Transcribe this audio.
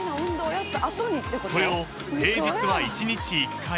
［これを平日は一日１回。